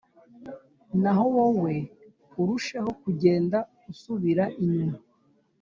naho wowe urusheho kugenda usubira inyuma.